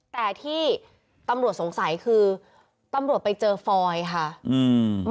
แต่ที่ตำรวจสงสัยคือตำรวจไปเจอฟอยค่ะอืม